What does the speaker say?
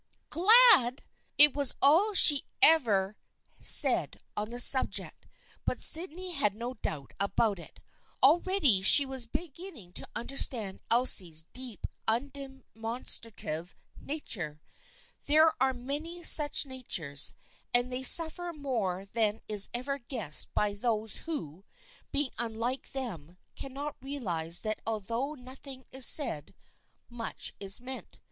" Glad !" It was all she ever said on the subject, but Syd ney had no doubt about it. Already she was begin ning to understand Elsie's deep, undemonstrative nature. There are many such natures, and they suffer more than is ever guessed by those who, being unlike them, cannot realize that although nothing is said, much is meant.